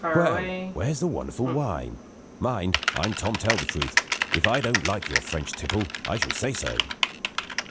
Well? Where's the wonderful wine? Mind! I'm Tom Tell Truth; if I don't like your French tipple, I shall say so."